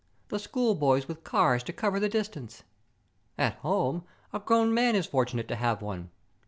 The schoolboys with cars to cover the distance. At home, a grown man is fortunate to have one.